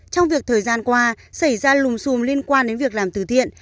trong việc thời gian qua xảy ra lùm xùm liên quan đến việc làm từ thiện